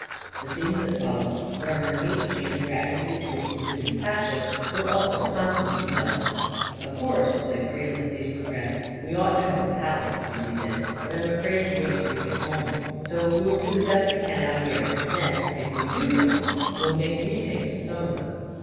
The scenes that followed, where her hate changed gradually to a consuming passion, were also consummately done. " Of course," said Creel, as these progressed, " we ought to have a palace to do these in, but I'm afraid to wait till we get home. So we will do the best we can out here — and then, if we do get home, we'll make re takes of some of them."